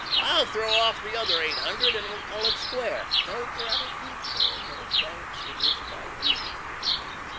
I'LL THROW OFF THE OTHER EIGHT HUNDRED, AND WE'LL CALL IT SQUARE! No gratitude, sir no thanks; it is my duty."